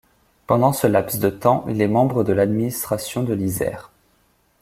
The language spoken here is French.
Pendant ce laps de temps, il est membre de l'administration de l'Isère.